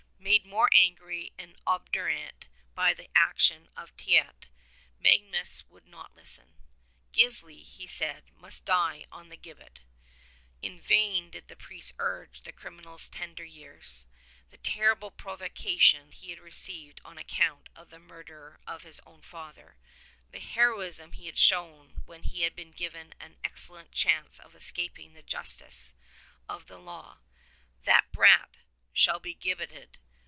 Made more angry and obdurate by the action of Teit, Mag nus would not listen. Gisli, he said, must die on the gibbet. In vain did the priest urge the criminal's tender years — the terrible provocation he had received on account of the mur der of his own father — the heroism he had shown when he had been given an excellent chance of escaping the justice of the law. "The brat shall be gibbeted!"